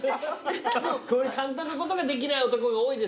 こういう簡単なことができない男が多いですね。